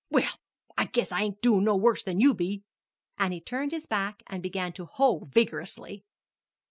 "Well, I guess I ain't doin' no worse than you be!" And he turned his back and began to hoe vigorously.